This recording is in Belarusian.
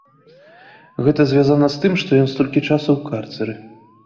Гэта звязана з тым, што ён столькі часу ў карцэры.